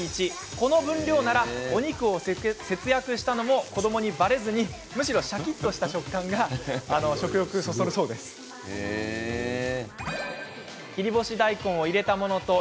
この分量ならお肉を節約したのも子どもにばれずにむしろシャキっとした食感が食欲をそそるんだとか。